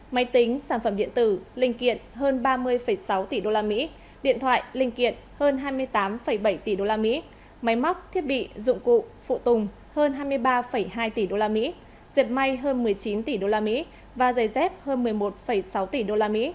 máy tính sản phẩm điện tử linh kiện hơn ba mươi sáu tỷ usd điện thoại linh kiện hơn hai mươi tám bảy tỷ usd máy móc thiết bị dụng cụ phụ tùng hơn hai mươi ba hai tỷ usd dẹp may hơn một mươi chín tỷ usd và giày dép hơn một mươi một sáu tỷ usd